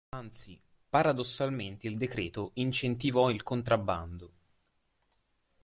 Anzi, paradossalmente il decreto incentivò il contrabbando.